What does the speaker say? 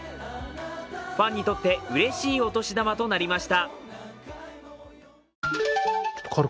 ファンにとってうれしいお年玉となりました。